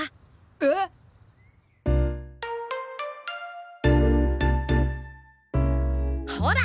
えっ？ほら！